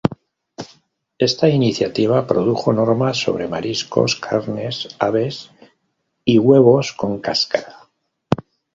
Esta iniciativa produjo normas sobre mariscos, carnes, aves y huevos con cáscara.